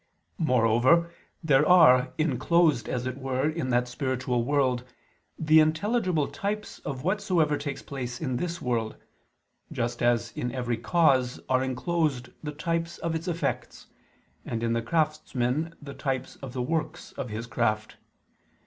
Moreover there are, enclosed as it were in that spiritual world, the intelligible types of whatsoever takes place in this world, just as in every cause are enclosed the types of its effects, and in the craftsman the types of the works of his craft.